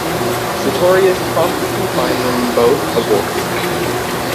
Sartorius promptly confined them both aboard.